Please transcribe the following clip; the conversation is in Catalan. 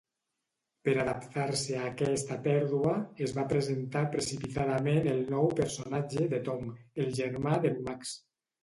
Per adaptar-se a aquesta pèrdua, es va presentar precipitadament el nou personatge de Tom, el germà d'en Max.